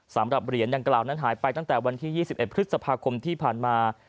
สำหรับเหรียญดังกล่าวนั้นหายไปตั้งแต่วันที่๒๑พฤษภาคมที่ผ่านมา